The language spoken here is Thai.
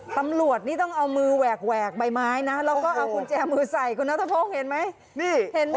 ตำรวจนี่ต้องเอามือแหวกแหวกใบไม้นะแล้วก็เอากุญแจมือใส่คุณนัทพงศ์เห็นไหม